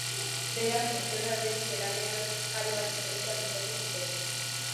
Beraz, traktore batekin belarrean kale batzuk egitea pentsatu zuten.